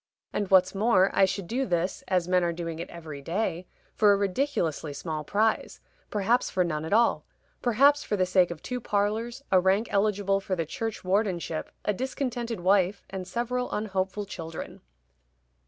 And what's more, I should do this, as men are doing it every day, for a ridiculously small prize perhaps for none at all perhaps for the sake of two parlors, a rank eligible for the churchwardenship, a discontented wife, and several unhopeful children."